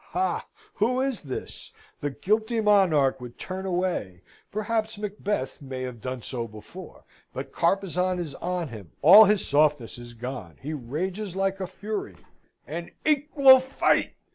Ha! who is this? The guilty monarch would turn away (perhaps Macbeth may have done so before), but Carpezan is on him. All his softness is gone. He rages like a fury. "An equal fight!"